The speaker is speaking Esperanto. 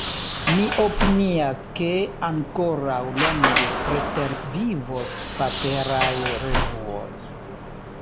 Mi opinias ke ankoraŭ longe pretervivos paperaj revuoj.